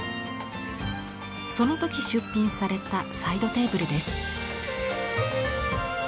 その時出品されたサイドテーブルです。